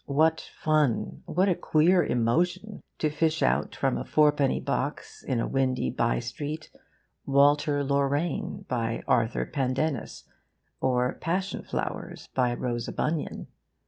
What fun, what a queer emotion, to fish out from a fourpenny box, in a windy by street, WALTER LORRAINE, by ARTHUR PENDENNIS, or PASSION FLOWERS, by ROSA BUNION!